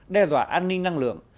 đe dọa an ninh năng lượng